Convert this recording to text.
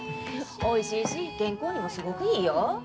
おいしいし健康にもすごくいいよ。